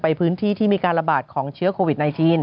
พื้นที่ที่มีการระบาดของเชื้อโควิด๑๙